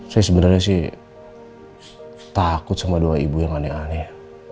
saya sebenarnya sih takut sama doa ibu yang aneh aneh